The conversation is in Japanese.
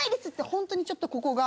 ほんとにちょっとここが。